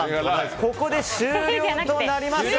ここで終了となります。